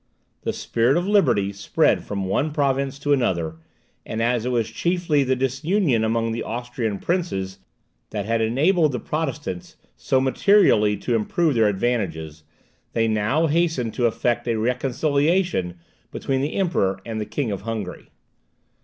The spirit of liberty spread from one province to another; and as it was chiefly the disunion among the Austrian princes that had enabled the Protestants so materially to improve their advantages, they now hastened to effect a reconciliation between the Emperor and the King of Hungary.